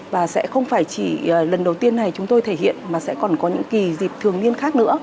và sẽ không phải chỉ lần đầu tiên này chúng tôi thể hiện mà sẽ còn có những kỳ dịp thường niên khác nữa